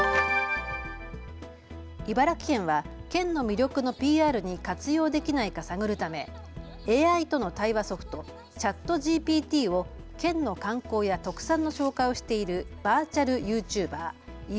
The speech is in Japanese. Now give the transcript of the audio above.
茨城県は県の魅力のＰＲに活用できないか探るためＡＩとの対話ソフト、ＣｈａｔＧＰＴを県の観光や特産の紹介をしているバーチャルユーチューバー、茨